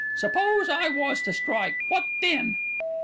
Suppose I was to strike, what then?"